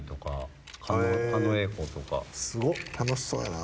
楽しそうやな。